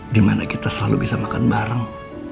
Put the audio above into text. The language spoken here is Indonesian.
dimana kita selalu bisa makan bareng